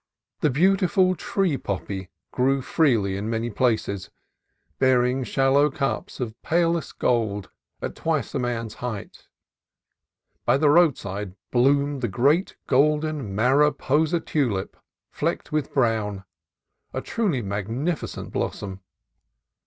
The beau tiful tree poppy grew freely in many places, bearing shallow cups of palest gold at twice a man's height. By the roadside bloomed the great golden Mariposa tulip, flecked with brown, a truly magnificent blos som.